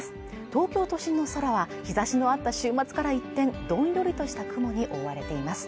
東京都心の空は日差しのあった週末から一転どんよりとした雲に覆われています